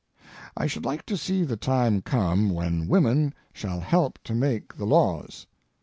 I should like to see the time come when women shall help to make the laws.